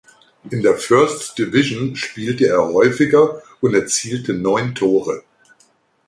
In der First Division spielte er häufiger und erzielte neun Tore.